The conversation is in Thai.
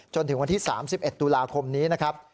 จนถึงวันที่๓๑ตุลาคมนี้นะครับ